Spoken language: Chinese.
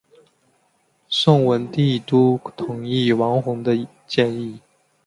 宋文帝都同意王弘的建议。